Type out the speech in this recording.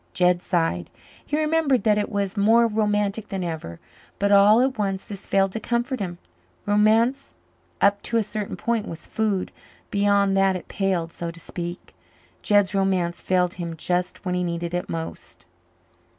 Jed sighed. He remembered that it was more romantic than ever, but all at once this failed to comfort him. Romance up to a certain point was food; beyond that it palled, so to speak. Jed's romance failed him just when he needed it most.